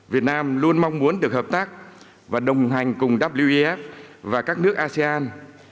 việt nam luôn mong muốn được hợp tác và đồng hành cùng wif và các nước asean